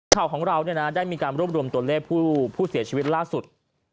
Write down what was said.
ข้อของเราเนี่ยนะได้มีการรวมรวมตัวเลขผู้เสียชีวิตล่าสุด